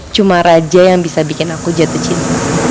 cuma raja yang bisa bikin aku jatuh cinta